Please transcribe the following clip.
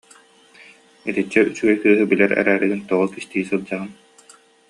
Итиччэ үчүгэй кыыһы билэр эрээригин тоҕо кистии сылдьаҕын